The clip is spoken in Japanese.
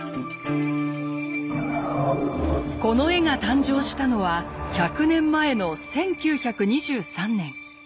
この絵が誕生したのは１００年前の１９２３年。